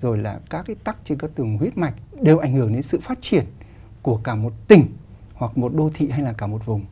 rồi là các cái tắc trên các tường huyết mạch đều ảnh hưởng đến sự phát triển của cả một tỉnh hoặc một đô thị hay là cả một vùng